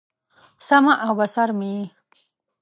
سمع او بصر مې یې